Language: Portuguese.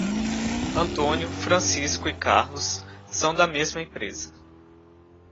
Antônio, Francisco e Carlos são da mesma empresa.